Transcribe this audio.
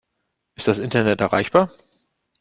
Ist das Internet erreichbar?